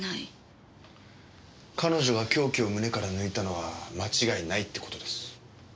彼女が凶器を胸から抜いたのは間違いないって事です。